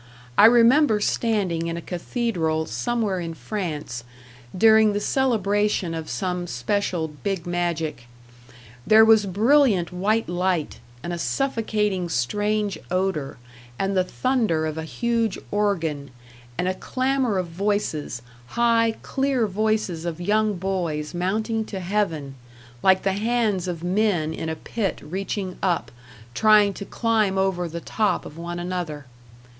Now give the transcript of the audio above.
I remember standing in a cathedral "somewhere in France" during the celebration of some special Big Magic. There was brilliant white light, and a suffocating strange odor, and the thunder of a huge organ, and a clamor of voices, high, clear voices of young boys mounting to heaven, like the hands of men in a pit reaching up, trying to climb over the top of one another.